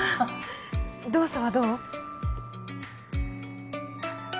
動作はどう？